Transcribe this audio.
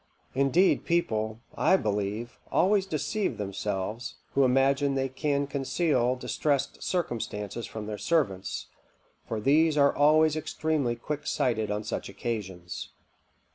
Indeed people, I believe, always deceive themselves, who imagine they can conceal distrest circumstances from their servants; for these are always extremely quicksighted on such occasions."